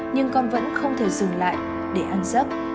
nhưng con vẫn không thể dừng lại để ăn dấp